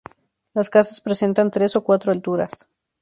Las casas presentan tres o cuatro alturas.